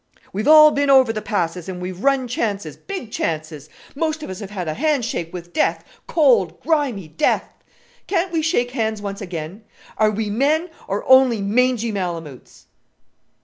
"We've all been over the Passes and we've run chances big chances; most of us have had a handshake with death, cold grimy death! Can't we shake hands once again? Are we men, or only mangy malamoots?"